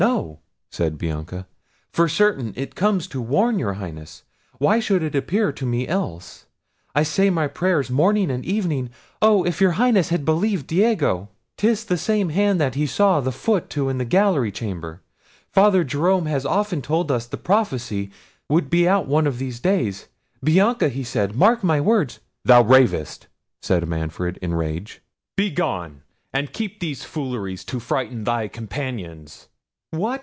No," said Bianca, "for certain it comes to warn your Highness; why should it appear to me else? I say my prayers morning and evening—oh! if your Highness had believed Diego! 'Tis the same hand that he saw the foot to in the gallery chamber—Father Jerome has often told us the prophecy would be out one of these days—'Bianca,' said he, 'mark my words—'" "Thou ravest," said Manfred, in a rage; "be gone, and keep these fooleries to frighten thy companions." "What!